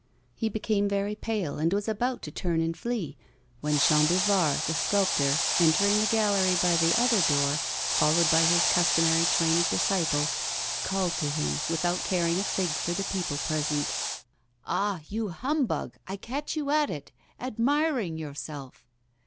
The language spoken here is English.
He became very pale, and was about to turn and flee, when Chambouvard, the sculptor, entering the gallery by the other door, followed by his customary train of disciples, called to him without caring a fig for the people present: 'Ah! you humbug, I catch you at it admiring yourself!